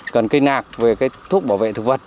cần cây lạc về thuốc bảo vệ thực vật